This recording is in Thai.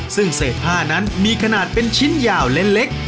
ซึ่งเศษผ้านั้นมีขนาดเป็นชิ้นยาวและเล็ก